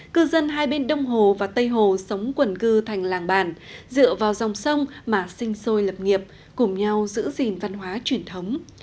cư dân hai bên đông hồ và tây hồ sống quần cư thành làng bản dựa vào dòng sông mà sinh sôi lập nghiệp cùng nhau giữ gìn văn hóa truyền thống